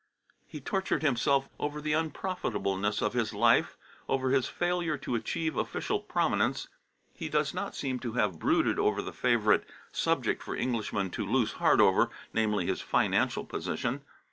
He tortured himself over the unprofitableness of his life, over his failure to achieve official prominence. He does not seem to have brooded over the favourite subject for Englishmen to lose heart over, namely, his financial position.